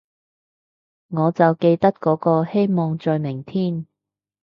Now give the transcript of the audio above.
我就記得嗰個，希望在明天